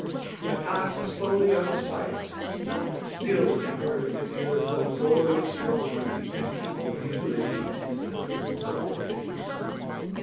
It passed slowly out of sight; but still he heard in his ears the laborious drone of the engine reiterating the syllables of her name.